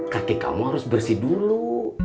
kaki kamu harus bersih dulu